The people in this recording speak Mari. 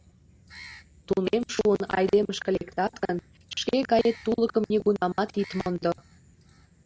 Тунем шуын, айдемышке лектат гын, шке гает тулыкым нигунамат ит мондо.